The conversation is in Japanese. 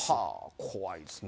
怖いですね。